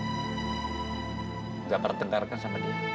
enggak berdengarkan sama dia